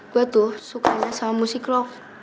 gue tuh sukanya sama musik rock